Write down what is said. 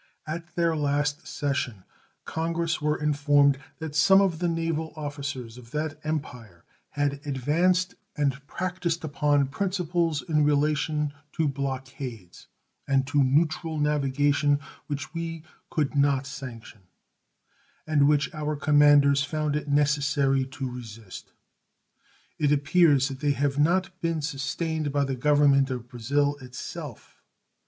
At their last session Congress were informed that some of the naval officers of that Empire had advanced and practiced upon principles in relation to blockades and to neutral navigation which we could not sanction, and which our commanders found it necessary to resist. It appears that they have not been sustained by the Government of Brazil itself.